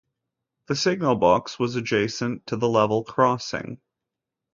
The signal box was adjacent to the level crossing.